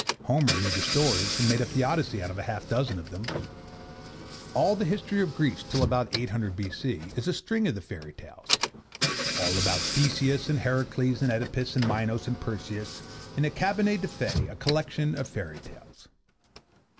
Homer knew the stories and made up the 'Odyssey' out of half a dozen of them. All the history of Greece till about 800 B.C. is a string of the fairy tales, all about Theseus and Heracles and Oedipus and Minos and Perseus is a Cabinet des Fes, a collection of fairy tales.